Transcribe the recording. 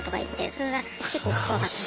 それが結構怖かったです。